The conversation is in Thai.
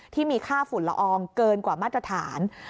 ที่มีค่าฝุ่นละอองเกินกว่ามาตรฐาน